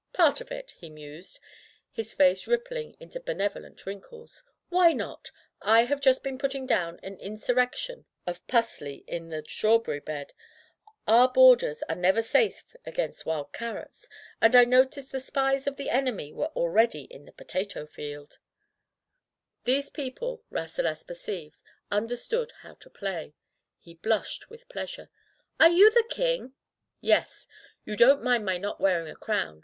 "Part of it," he mused, his face rippling into benevolent wrinkles. "Why not ? I have just been putting down an insurrection of 'pusley' in the strawberry bed. Our borders are never safe against wild carrots, and I noticed the spies of the enemy were already in the potato field." [ 172 ] Digitized by LjOOQ IC Rasselas in the Vegetable Kingdom These people, Rasselas perceived, under stood how to play. He blushed with pleasure. "Are you the king?" "Yes. You don't mind my not wearing a crown